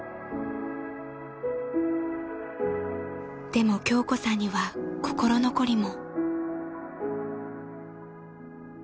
［でも京子さんには心残りも］